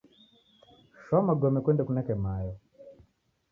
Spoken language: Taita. Shoa magome kuende kuneke mayo.